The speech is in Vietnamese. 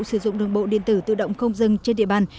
sử dụng đường bộ điện tử tự động không dừng trên địa bàn